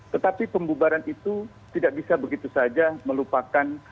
tetapi pembubaran itu tidak bisa begitu saja melupakan